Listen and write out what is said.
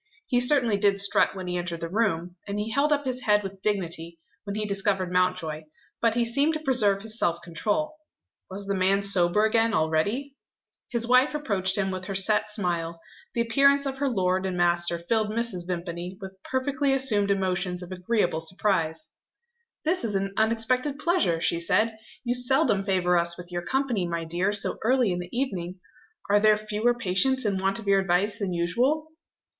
He certainly did strut when he entered the room; and he held up his head with dignity, when he discovered Mountjoy. But he seemed to preserve his self control. Was the man sober again already? His wife approached him with her set smile; the appearance of her lord and master filled Mrs. Vimpany with perfectly assumed emotions of agreeable surprise. "This is an unexpected pleasure," she said. "You seldom favour us with your company, my dear, so early in the evening! Are there fewer patients in want of your advice than usual?"